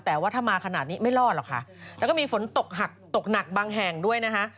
แต่ว่าถ้ามาขนาดนี้ไม่รอดหรอกค่ะแล้วก็มีฝนตกหักตกหนักบางแห่งด้วยนะคะ